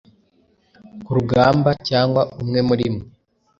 Ku rugambacyangwa umwe muri mwe